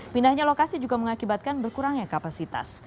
pindahnya lokasi juga mengakibatkan berkurangnya kapasitas